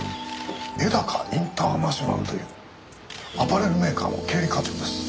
絵高インターナショナルというアパレルメーカーの経理課長です。